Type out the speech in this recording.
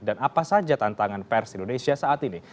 dan apa saja tantangan pers indonesia saat ini